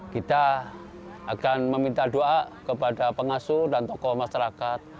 kita akan meminta doa kepada pengasuh dan tokoh masyarakat